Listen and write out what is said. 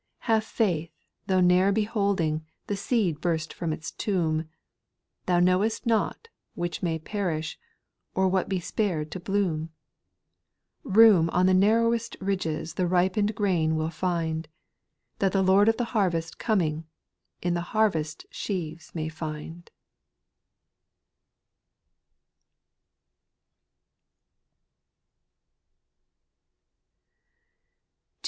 ' 0. Have faith, though ne'er beholding The seed burst from its tomb ; Thou know'st not which may perish. Or what be spared to bloom. Room on the narrowest ridges The ripen'd grain will find ; That the Lord of the harvest coming, In the harvest sheaves may find.